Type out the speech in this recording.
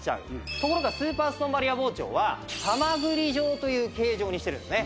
ところがスーパーストーンバリア包丁はハマグリ状という形状にしてるんですね。